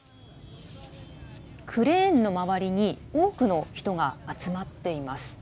クレーンの周りに多くの人が集まっています。